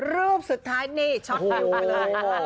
รูปสุดท้ายนี่ช็อตอยู่เลย